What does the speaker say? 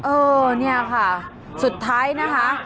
เออเนี่ยค่ะสุดท้ายนะคะ